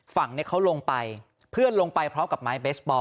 ฝั่งนี้เขาลงไปเพื่อนลงไปพร้อมกับไม้เบสบอล